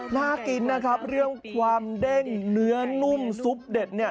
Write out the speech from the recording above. น่ากินนะครับเรื่องความเด้งเนื้อนุ่มซุปเด็ดเนี่ย